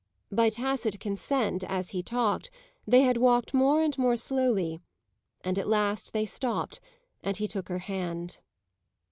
By tacit consent, as he talked, they had walked more and more slowly, and at last they stopped and he took her hand.